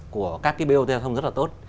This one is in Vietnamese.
của các cái bộ giao thông rất là tốt